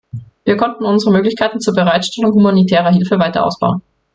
Wir konnten unsere Möglichkeiten zur Bereitstellung humanitärer Hilfe weiter ausbauen.